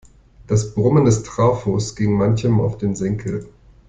Das Brummen des Trafos ging manchem auf den Senkel.